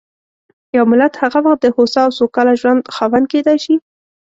یو ملت هغه وخت د هوسا او سوکاله ژوند خاوند کېدای شي.